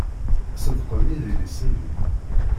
Ṣeddqen idlisen-nni.